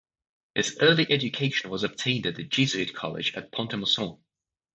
His early education was obtained at the Jesuit College at Pont-a-Mousson.